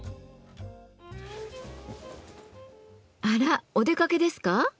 あらお出かけですか？